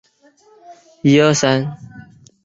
起重机是一种。